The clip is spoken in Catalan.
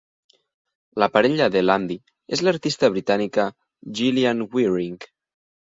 La parella de Landy és l'artista britànica Gillian Wearing.